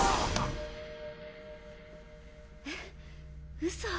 うそ。